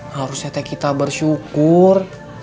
harusnya kita bersyukur